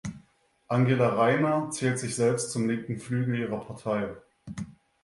Angela Rayner zählt sich selbst zum linken Flügel ihrer Partei.